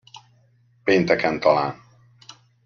Pénteken talán.